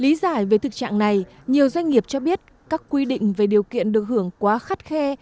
lý giải về thực trạng này nhiều doanh nghiệp cho biết các quy định về điều kiện được hưởng quá khắt khe